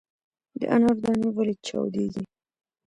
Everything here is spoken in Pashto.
د انارو دانې ولې چاودیږي؟